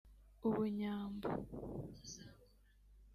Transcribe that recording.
u Bunyambo